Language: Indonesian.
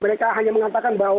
dari keterangan pak jokowi